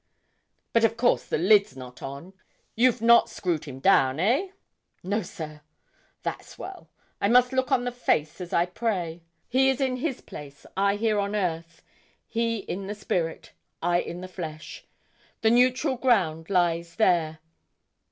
'But, of course, the lid's not on; you've not screwed him down, hey?' 'No, sir.' 'That's well. I must look on the face as I pray. He is in his place; I here on earth. He in the spirit; I in the flesh. The neutral ground lies there.